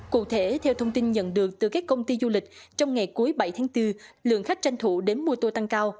cụ thể theo thông tin nhận được từ các công ty du lịch trong ngày cuối bảy tháng bốn lượng khách tranh thủ đến mua tour tăng cao